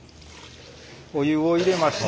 お湯を入れまして。